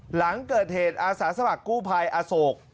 หลังเกิดเหตุอาสาสมัครกู้ภัยอโศก